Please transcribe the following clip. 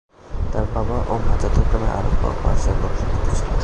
তার বাবা ও মা যথাক্রমে আরব ও পারসিয়ান বংশোদ্ভূত ছিলেন।